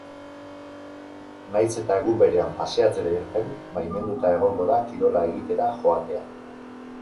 Nahiz eta egun berean paseatzera irten, baimenduta egongo da kirola egitera joatea.